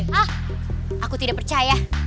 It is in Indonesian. hah aku tidak percaya